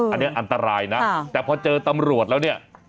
อันนี้อันตรายนะแต่พอเจอตำรวจแล้วเนี่ย